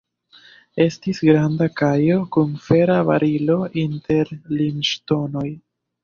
Estis granda kajo kun fera barilo inter limŝtonoj.